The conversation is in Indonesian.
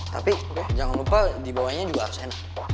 tapi jangan lupa dibawahnya juga harus enak